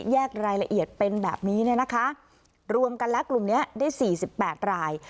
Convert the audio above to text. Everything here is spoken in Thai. แยกรายละเอียดเป็นแบบนี้เนี่ยนะคะรวมกันแล้วกลุ่มนี้ได้๔๘ราย